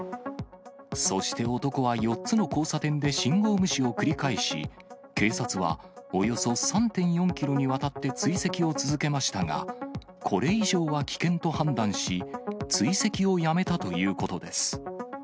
そして男は、４つの交差点で信号無視を繰り返し、警察はおよそ３．４キロにわたって追跡を続けましたが、これ以上は危険と判断し、追跡をやめたということです。